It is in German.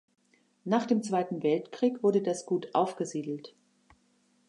Nach dem Zweiten Weltkrieg wurde das Gut aufgesiedelt.